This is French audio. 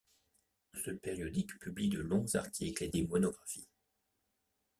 Ce périodique publie de longs articles et des monographies.